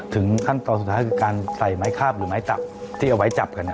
ขั้นตอนสุดท้ายคือการใส่ไม้คาบหรือไม้จับที่เอาไว้จับกัน